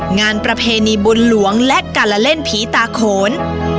งานประเพณีบุญหลวงและการละเล่นผีตาโขน